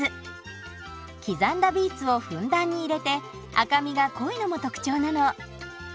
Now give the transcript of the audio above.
刻んだビーツをふんだんに入れて赤みが濃いのも特徴なの。